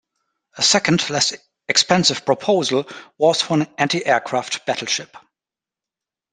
A second, less expensive, proposal was for an anti-aircraft battleship.